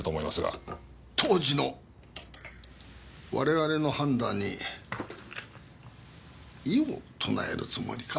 当時の我々の判断に異を唱えるつもりか？